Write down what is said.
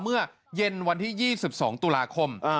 เมื่อเย็นวันที่๒๒ตุลาคม